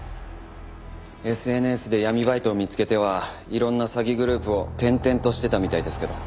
ＳＮＳで闇バイトを見つけてはいろんな詐欺グループを転々としてたみたいですけど。